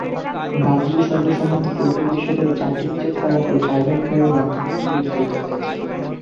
ব্রাজিলে সদ্য সমাপ্ত ফুটবল বিশ্বকাপে চারটি ম্যাচের ফলাফল টাইব্রেকারের মাধ্যমে নির্ধারিত হয়েছে।